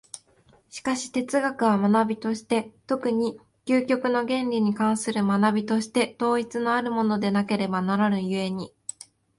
しかし哲学は学として、特に究極の原理に関する学として、統一のあるものでなければならぬ故に、